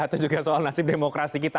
atau juga soal nasib demokrasi kita